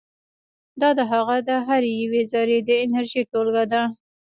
دا د هغه د هرې یوې ذرې د انرژي ټولګه ده.